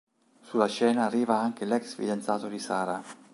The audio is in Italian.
Sulla scena arriva anche l'ex fidanzato di Sarah.